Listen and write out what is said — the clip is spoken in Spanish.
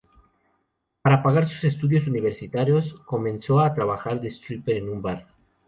Para pagar sus estudios universitarios, comenzó a trabajar de stripper en un bar.